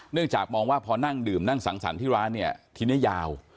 จากมองว่าพอนั่งดื่มนั่งสังสรรค์ที่ร้านเนี่ยทีนี้ยาว